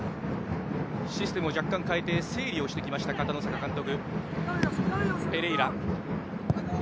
システムを若干変えて整理をしてきました片野坂監督。